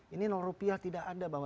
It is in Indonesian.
ini rupiah tidak ada bahwa